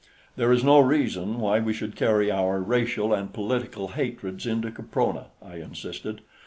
"There is no reason why we should carry our racial and political hatreds into Caprona," I insisted.